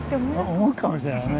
思うかもしれないね。